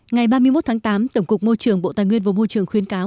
ngày ba mươi một tháng tám tổng cục môi trường bộ tài nguyên và môi trường khuyến cáo